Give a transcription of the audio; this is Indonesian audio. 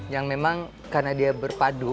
yang memang karena dia berpadu